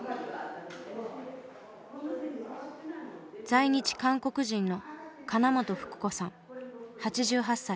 在日韓国人の金本福子さん８８歳。